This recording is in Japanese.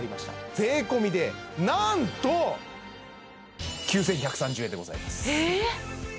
税込でなんと９１３０円でございますええっ？